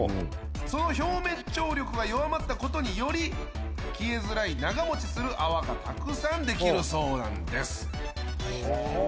その表面張力が弱まったことにより消えづらい長持ちする泡がたくさんできるそうなんです・はあ